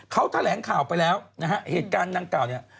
เขาแถลงข่าวไปแล้วนะฮะเหตุการณ์ดังกล่าวเนี่ย